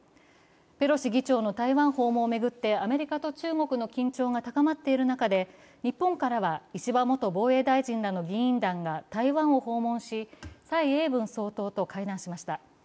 ペロシ議長の台湾訪問を巡ってアメリカと中国の緊張が高まっている中で日本からは石破元防衛大臣らの議員団が台湾を訪問し蔡英文総統と会談しました。